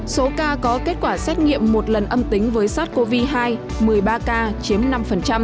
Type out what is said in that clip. số ca có kết quả xét nghiệm một lần âm tính với sars cov hai một mươi ba ca chiếm năm